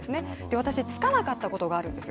私、つかなかったことがあるんですよ。